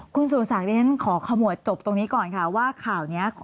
คุณสวสักขอขมาทจบตรงนี้ก่อนว่าข่าวนี้